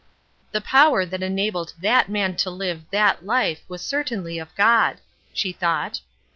"The power that enabled that man to live that life was certainly of God," she thought.